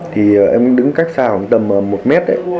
thì em đứng cách xa khoảng tầm một mét